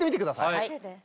はい！